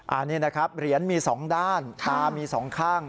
อันนี้นะครับเหรียญมี๒ด้านตามีสองข้าง